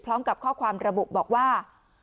พร้อมกับข้อความระบุบอกว่า